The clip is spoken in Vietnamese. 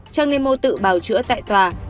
trang nemo tự bào chữa tại tòa